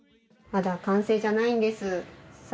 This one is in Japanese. まだ完成じゃないんです。